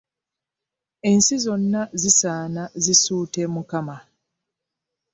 Ensi zonna zisaana zisuute Mukama.